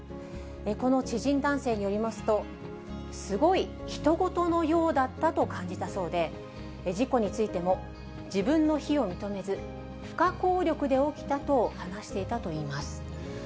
この知人男性によりますと、すごいひと事のようだったと感じたそうで、事故についても、自分の非を認めず、不可抗力で起きたと話していたといいます。